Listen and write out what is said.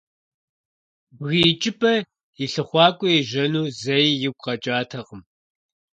Бгы икӀыпӀэ и лъыхъуакӀуэ ежьэну зэи игу къэкӀатэкъым.